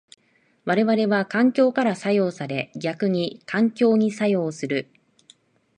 我々は環境から作用され逆に環境に作用する。